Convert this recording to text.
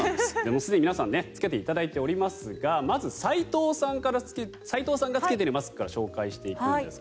すでに皆さん着けていただいておりますがまず斎藤さんが着けているマスクから紹介していくんですが